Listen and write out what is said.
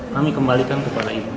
kami kembalikan kepada ibu